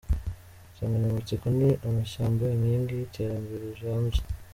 Insanganyamatsiko ni: “Amashyamba, Inkingi y’Iterambere rirambye.